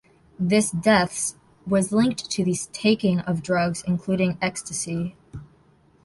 This deaths was linked to the taking of drugs including ecstasy.